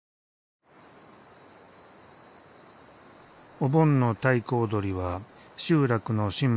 お盆の太鼓踊りは集落の神仏に祈る。